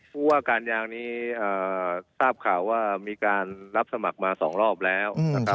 ผู้ว่าการยางนี้ทราบข่าวว่ามีการรับสมัครมา๒รอบแล้วนะครับ